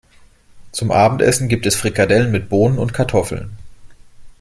Zum Abendessen gibt es Frikadellen mit Bohnen und Kartoffeln.